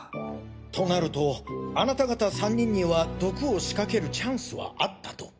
となるとあなた方３人には毒を仕掛けるチャンスはあったと。